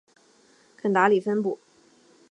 肯达里分布。